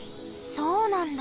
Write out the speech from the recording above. そうなんだ。